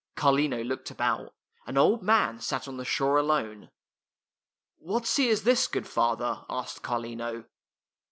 Carlino looked about. An old man sat on the shore alone. "What sea is this, good father?" asked Carlino.